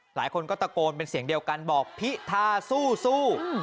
หลายคนก็ตะโกนเป็นเสียงเดียวกันบอกพิธาสู้